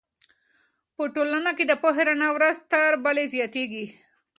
په ټولنه کې د پوهې رڼا ورځ تر بلې زیاتېږي.